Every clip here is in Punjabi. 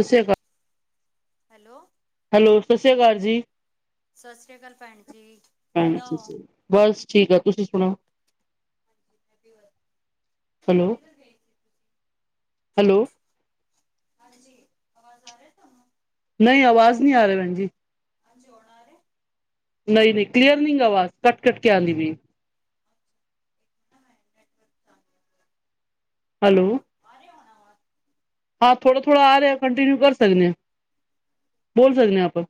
ਸਾਸ ਸ਼੍ਰੀ ਕਾਲ। ਹੈਲੋ ਹੈਲੋ ਸਾਸ ਸ੍ਰੀ ਕਾਲ ਜੀ, ਸਤਿ ਸ੍ਰੀ ਅਕਾਲ ਭੈਣ ਜੀ ਕਿੱਦਾਂ ਹਾਂਜੀ ਹੋ ਜੀ। ਬਸ ਠੀਕ ਐ ਤੁਸੀਂ ਸੁਣਾਓ ਹਾਂਜੀ ਮੈਂ ਵੀ ਵਧੀਆ ਹੋਰ ਹੈਲੋ, ਕਿੱਧਰ ਗਏ ਸੀ ਤੁਸੀਂ ਹੈਲੋ ਹਾਂਜੀ ਆਵਾਜ਼ ਆ ਰਹੀ ਤੁਹਾਨੂੰ ਨਈ ਆਵਾਜ਼ ਨੀ ਆ ਰੀ ਪੈਣ ਜੀ ਹਾਂਜੀ ਹੋਣ ਆ ਰੇ। ਨਈ-ਨਈ ਕਲੀਅਰ ਨੀਗ ਆਵਾਜ਼ ਕਟ-ਕਟ ਕੇ ਆਂਦੀ ਪਈ। ਹੈਲੋ ਹਾਂ ਥੋੜਾ-ਥੋੜਾ ਆ ਰਿਹਾ ਕੰਟੀਨਿਊ ਕਰ ਸਕਦੇ ਆ, ਬੋਲ ਸਕਦੇ ਆ ਆਪਾ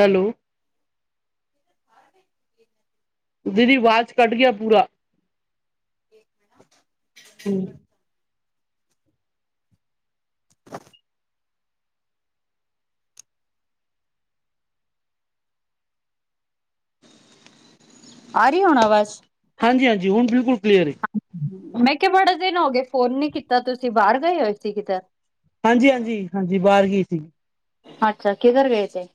ਹੈਲੋ [inaudible] ਦੀਦੀ ਆਵਾਜ਼ ਕੱਟ ਗਿਆ ਪੂਰਾ, ਰੂੰ। ਆ ਰੀ ਹੋਣ ਆਵਾਜ ਹਾਂਜੀ ਹਾਂਜੀ ਹੁਨ ਬਿਲਕੁਲ ਕਲੀਅਰ ਏ ਮੈਂ ਕੈਆ ਬੜਾ ਦਿਨ ਹੋ ਗਏ ਫੋਨ ਨੀ ਕੀਤਾ ਤੁਸੀਂ ਬਾਰ ਗਏ ਹੋਏ ਸੀ ਕਿਧਰ ਹਾਂਜੀ-ਹਾਂਜੀ, ਹਾਂਜੀ ਬਾਰ ਗਈ ਸੀ। ਅੱਛਾ ਕਿਧਰ ਗਏ ਸੀ?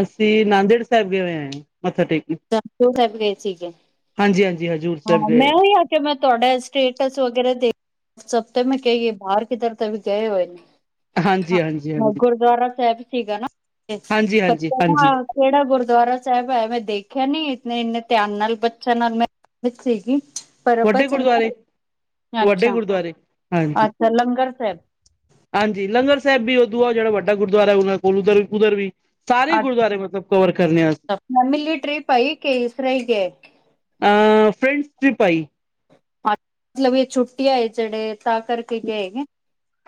ਅਸੀਂ ਨਾਂਦੇੜ ਸਾਇਬ ਗਏ ਹੋਏ ਆਏ ਮੱਥਾ ਟੇਕ ਕੇ [unintelligible] ਸਾਹਿਬ ਗਏ ਸੀਗੇ। ਹਾਂਜੀ-ਹਾਂਜੀ-ਹਾਂਜੀ। ਹਾਂ ਮੈਂ ਓਈ ਆਖੀਆ ਕੇ ਮੈਂ ਤੁਆਡਾ ਸਟੇਟਸ ਵਗੈਰਾ ਦੇ ਇਸ ਹਫ਼ਤੇ ਮੈਂ ਕੈਈ ਗਏ ਬਾਰ ਕਿਧਰ ਤਾਂ ਗਏ ਹੋਏ ਨੇ ਹਾਂਜੀ ਹਾਂਜੀ ਹਾਂ ਹਾਂਜੀ ਗੁਰਦੁਆਰਾ ਸੈਬ ਸੀਗਾ ਨਾ, ਹਾਂਜੀ ਓਥੇ ਹਾਂਜੀ ਹਾਂਜੀ [unintelligible] ਕੇੜਾ ਗੁਰਦੁਆਰਾ ਸੈਬ ਹੈ ਮੈਂ ਦੇਖਿਆ ਨੀ ਇਤਨੇ ਏਨੇ ਧਿਆਨ ਨਾਲ ਬੱਚਿਆਂ ਨਾਲ ਮੈਂ ਸੀਗੀ ਪਰ ਵੱਡੇ ਬਤ ਗੁਰਦੁਆਰੇ [unintelligible] ਵੱਡੇ ਅੱਛਾ ਗੁਰਦੁਆਰੇ ਹਾਂਜੀ ਅ ਫੇਰ ਲੰਗਰ ਸੈਬ ਹਾਂਜੀ ਲੰਗਰ ਸੈਬ ਵੀ ਓ ਦੋਆ ਜੇੜਾ ਵੱਡਾ ਗੁਰਦੁਆਰਾ ਐ ਉਹਨਾਂ ਕੋਲ ਉਧਰ-ਉਧਰ ਵੀ ਸਾਰੇ ਗੁਰਦੁਆਰੇ ਅੱਛਾ ਮਤਲਬ ਕਵਰ ਕਰਨੇ ਆ ਫੈਮਿਲੀ ਟ੍ਰਿਪ ਏ ਕੇ ਏਸ ਤਰਾ ਈ ਗਏ। ਅ ਫ੍ਰੈਂਡਸ ਟ੍ਰਿਪ ਆਈ ਅਛ, ਮਤਲਬ ਏ ਛੁੱਟੀਆਂ ਐ ਜੇੜੇ ਤਾਂ ਕਰਕੇ ਗਏ ਨੇ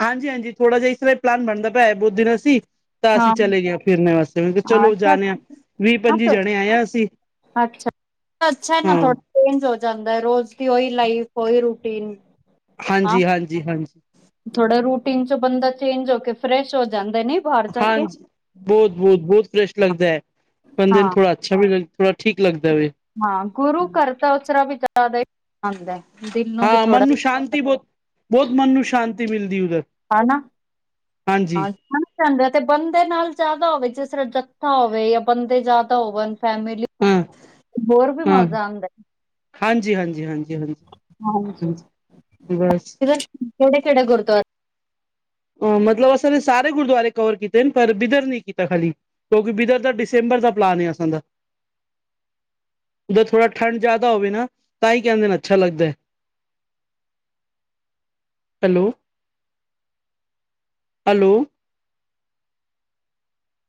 ਹਾਂਜੀ-ਹਾਂਜੀ ਥੋੜਾ ਜਿਹਾ ਇਸ ਤਰ੍ਹਾਂ ਹੀ ਪਲਾਨ ਬਣਦਾ ਪਆ ਬੋਤ ਦਿਨ ਅਸੀਂ ਤਾਂ ਅਸੀਂ ਹਾਂ ਚਲੇ ਗਏ ਫਿਰਨ ਵਾਸਤੇ ਕਿ ਚਲੋ ਅੱਛਾ ਜਾਣਿਆ, ਵੀ-ਪੰਜੀ ਅੱਛਾ ਜਣੇ ਆਏਆ ਅਸੀਂ, ਅੱਛਾ ਅੱਛਾ ਨਾ ਹਾਂ ਥੋੜਾ ਚੇਂਜ ਹੋ ਜਾਂਦਾ ਐ ਰੋਜ਼ ਦੀ ਓਈ ਲਾਈਫ ਓਈ ਰੂਟੀਨ ਹਾਂ ਹਾਂਜੀ-ਹਾਂਜੀ-ਹਾਂਜੀ। ਥੋੜਾ ਰੂਟੀਨ ਚੋਂ ਬੰਦਾ ਚੇਂਜ ਹੋ ਕੇ ਫਰੈਸ਼ ਹੋ ਜਾਂਦਾ ਨੇ। ਹਾਂਜੀ, ਬੋਤ-ਬੋਤ-ਬੋਤ ਫਰੈਸ਼ ਲੱਗਦਾ ਐ ਬੰਦੇ ਨੂੰ ਹਾਂ। ਥੋੜਾ ਅੱਛਾ [unintelligible] ਥੋੜਾ ਠੀਕ ਲੱਗਦਾ ਵੇ। ਹਾਂ ਗੁਰੂ ਘਰ ਤਾਂ ਉਸਰਾ ਵੀ ਜਾਦਾ ਹੀ ਆਂਦਾ। ਦਿਲ ਨੂੰ ਵੀ ਹਾਂ ਮਨ ਥੋੜਾ ਨੂੰ ਸ਼ਾਂਤੀ ਬੋਤ ਬੋਤ ਮਨ ਨੂੰ ਸ਼ਾਂਤੀ ਮਿਲਦੀ ਉੱਧਰ। ਹਨਾ [unintelligible] [unintelligible] ਤੇ ਬੰਦੇ ਨਾਲ ਜਾਦਾ ਹੋਵੇ ਜਿਸਰਾ ਜੱਥਾ ਹੋਵੇ ਯਾ ਬੰਦੇ ਜਾਦਾ ਹੋਵਣ ਫੈਮਲੀ ਹਾਂ ਹੋਰ ਵੀ ਮਜ਼ਾ ਆਂਦਾ। ਹਾਂਜੀ-ਹਾਂਜੀ, ਹਾਂਜੀ-ਹਾਂਜੀ, ਹਾਂਜੀ ਬਸ। ਕੇੜੇ ਕੇੜੇ ਗੁਰਦ ਅ ਮਤਲਬ ਅਸੀ ਨੇ ਸਾਰੇ ਗੁਰਦੁਆਰੇ ਕਵਰ ਕੀਤੇ ਨੇ ਪਰ ਬਿਦਰ ਨੀ ਕੀਤਾ ਖਾਲੀ। ਕਿਉਂਕਿ ਬਿਧਦ ਦਾ ਡਿਸੈਂਬਰ ਦਾ ਪਲਾਨ ਏ ਅਸਾ ਦਾ। ਹਮ। ਉੱਧਰ ਥੋੜਾ ਠੰਡ ਜਾਦਾ ਹੋਵੇ ਨਾ ਤਾਹੀ ਕੇੰਦੇ ਨੇ ਅੱਛਾ ਲੱਗਦਾ। [unintelligible] Hello hello.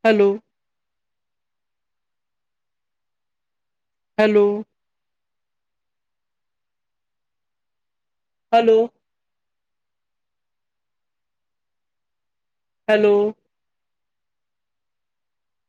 Hello. Hello. Hello. Hello.